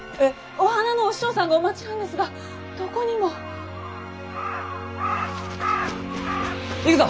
お花のお師匠さんがお待ちなんですがどこにも。行くぞ！